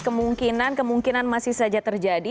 kemungkinan kemungkinan masih saja terjadi